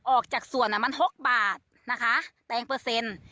ออกจากส่วนมัน๖บาทนะคะแตงเปอร์เซ็นต์